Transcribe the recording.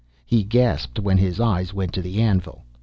He gasped when his eyes went to the anvil.